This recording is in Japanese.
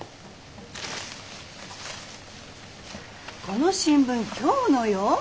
この新聞今日のよ。